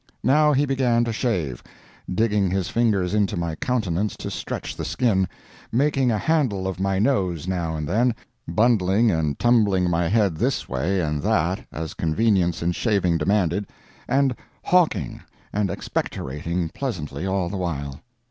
Now he began to shave, digging his fingers into my countenance to stretch the skin, making a handle of my nose now and then, bundling and tumbling my head this way and that as convenience in shaving demanded, and "hawking" and expectorating pleasantly all the while.